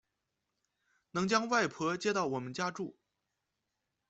能将外婆接到我们家住